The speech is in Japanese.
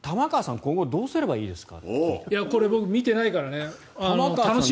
今後、どうすればいいんですか？